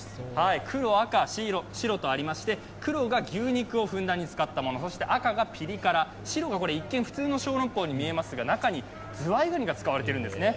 黒、赤、白とありまして、黒が牛肉をふんだんに使ったもの、赤がピリ辛、白が一見普通のショーロンポーに見えますが中にズワイガニが使われているんですね。